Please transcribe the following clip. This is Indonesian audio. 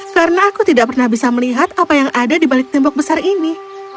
karena aku tidak pernah bisa melihat apa yang ada di balik tembok besar ini